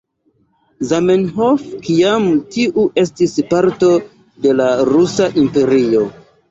Zamenhof, kiam tiu estis parto de la Rusa Imperio.